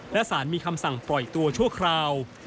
และสารมีคำสั่งปล่อยตัวชั่วคราว